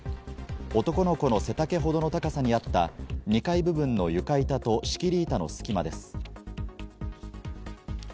男の子の背丈ほどの高さにあった２階部分の床板と仕切り板の隙間です。